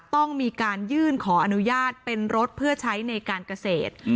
ต้องมีการยื่นขออนุญาตเป็นรถเพื่อใช้ในการเกษตร